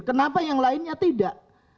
kenapa yang lainnya tidak